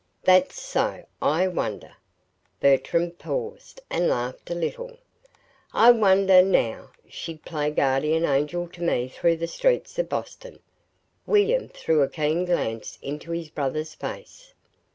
"That's so. I wonder " Bertram paused, and laughed a little, "I wonder if NOW she'd play guardian angel to me through the streets of Boston." William threw a keen glance into his brother's face.